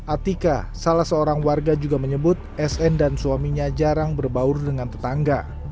atika salah seorang warga juga menyebut sn dan suaminya jarang berbaur dengan tetangga